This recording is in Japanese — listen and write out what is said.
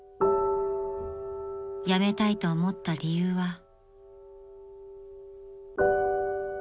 ［辞めたいと思った理由は］